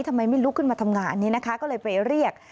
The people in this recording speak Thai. ทำไมไม่ลุกขึ้นมาทำงานนี้นะคะก็เลยไปเรียก